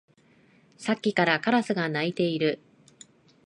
さっきからカラスが鳴いている